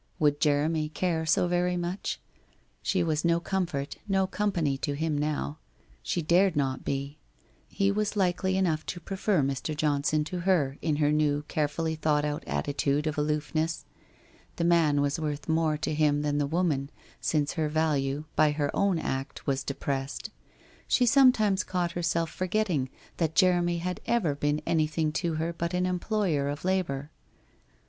Would Jeremy care so very much ? She was no comfort, no company to him now. She dared not be. He was likely enough to prefer Mr. Johnson to her in her new carefully thought out attitude of aloofness. The man was worth more to him than the woman since her value, by her own act, was depressed. She sometimes caught herself forgetting that Jeremy had ever been any thing to her but an employer of labour.